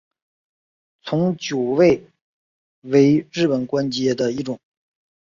从九位为日本官阶的一种。